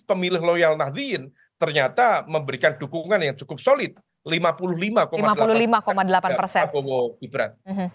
pemilih loyal nahdin ternyata memberikan dukungan yang cukup solid lima puluh lima lima lima delapan persen